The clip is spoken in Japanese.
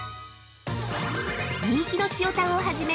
◆人気の塩タンをはじめ